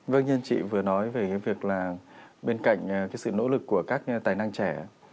vâng nhân chị vừa nói về cái việc là bên cạnh sự nỗ lực của các tài năng trẻ